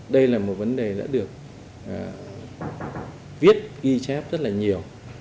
đây là một vấn đề đã được viết ghi chép rất là nhiều